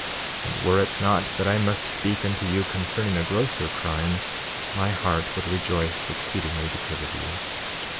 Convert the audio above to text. And were it not that I must speak unto you concerning a grosser crime, my heart would rejoice exceedingly because of you.